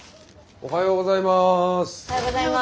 おはようございます。